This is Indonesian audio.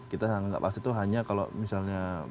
kita anggap aset itu hanya kalau misalnya